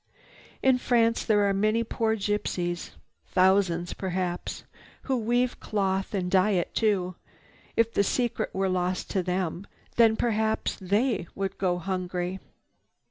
"In France there are many poor gypsies, thousands perhaps, who weave cloth and dye it too. If the secret were lost to them, then perhaps they would go hungry."